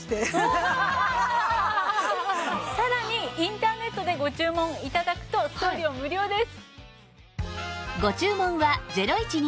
さらにインターネットでご注文頂くと送料無料です。